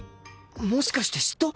もしかして嫉妬？